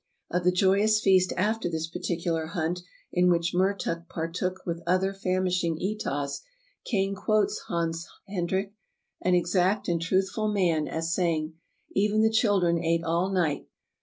Of the joyous feast after this particular hunt, in which Mertuk partook with other famishing Etahs, Kane quotes Hans Hendrik, "an exact and truthful man," as saying: "Even the children ate all night.